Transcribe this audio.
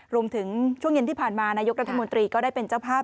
ช่วงเย็นที่ผ่านมานายกรัฐมนตรีก็ได้เป็นเจ้าภาพ